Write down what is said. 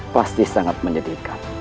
pasti sangat menyedihkan